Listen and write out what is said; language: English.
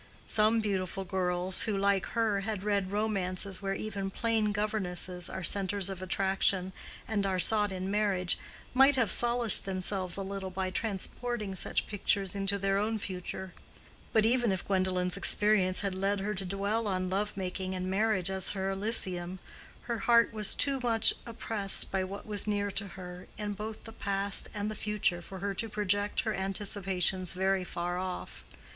Some beautiful girls who, like her, had read romances where even plain governesses are centres of attraction and are sought in marriage, might have solaced themselves a little by transporting such pictures into their own future; but even if Gwendolen's experience had led her to dwell on love making and marriage as her elysium, her heart was too much oppressed by what was near to her, in both the past and the future, for her to project her anticipations very far off.